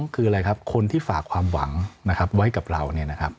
๒คืออะไรครับคนที่ฝากความหวังนะครับไว้กับเราเนี่ยนะครับ